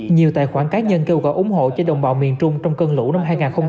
nhiều tài khoản cá nhân kêu gọi ủng hộ cho đồng bào miền trung trong cơn lũ năm hai nghìn hai mươi